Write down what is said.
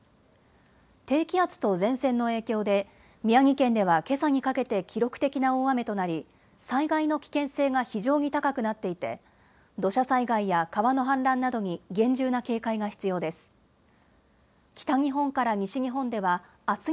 低気圧と前線の影響で宮城県ではけさにかけて記録的な大雨となり災害の危険性が非常に高くなっていて土砂災害や川の氾濫などに厳重な警戒が必要です。